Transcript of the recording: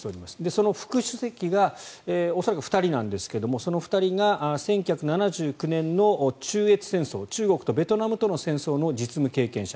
その副主席が恐らく２人なんですがその２人が１９７９年の中越戦争中国とベトナムとの戦争の実務経験者。